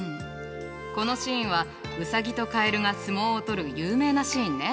このシーンはウサギとカエルが相撲を取る有名なシーンね。